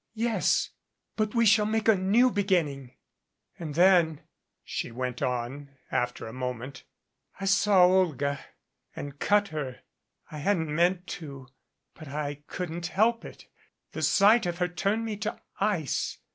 "Yes but we shall make a new beginning ... And then," she went on, after a moment, "I saw Olga and cut her. I hadn't meant to but I couldn't help it. The sight of her turned me to ice.